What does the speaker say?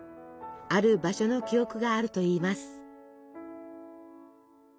ある場所の記憶があるといいます。